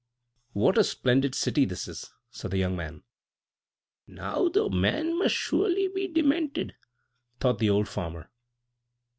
"What a splendid city this is!" said the young man. "Now, the man must surely be demented!" thought the old farmer.